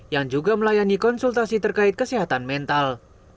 yang juga melayani konsultasi terkait kesehatan mental